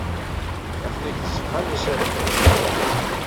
Atni deg tzeɣɣa n yisaragen.